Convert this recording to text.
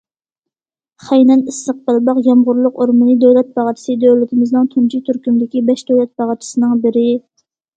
خەينەن ئىسسىق بەلباغ يامغۇرلۇق ئورمىنى دۆلەت باغچىسى دۆلىتىمىزنىڭ تۇنجى تۈركۈمدىكى بەش دۆلەت باغچىسىنىڭ بىرى.